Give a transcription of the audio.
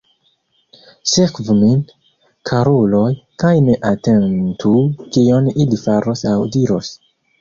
Sekvu min, karuloj, kaj ne atentu kion ili faros aŭ diros.